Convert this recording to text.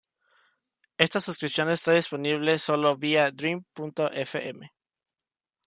Esta suscripción está disponible solo vía drip.fm.